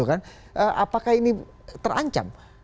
apakah ini terancam